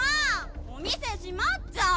お店閉まっちゃう。